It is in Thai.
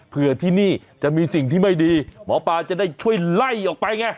เพื่อที่นี่จะมีสิ่งที่ไม่ดีหมอปลาจะได้ช่วยไล่ออกไปไง